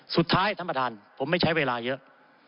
สุดท้ายท่านประธานผมไม่ใช้เวลาเยอะ